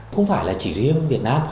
không phải là chỉ riêng việt nam